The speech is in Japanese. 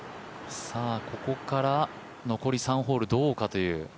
ここから残り３ホールどうかという。